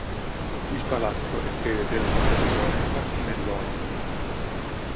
Il palazzo è sede della Fondazione Fanti Melloni.